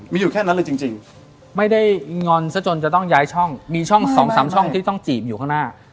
มีอยู่แค่นั้นเลยจริงไม่ได้งอนซะจนจะต้องย้ายช่องมีช่องสองสามช่องที่ต้องจีบอยู่ข้างหน้า